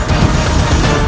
ketika kanda menang kanda menang